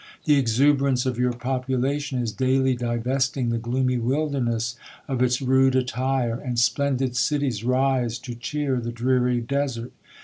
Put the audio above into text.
The exuberance of your population is daily divesting the gloomy wilderness of its rude attire, and sploiiui?,! cities rise to cheer the dreary desert.